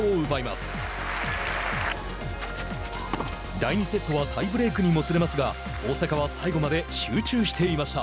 第２セットはタイブレークにもつれ込みますが大坂は最後まで集中していました。